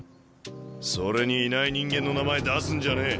それにいない人間の名前出すんじゃねえ。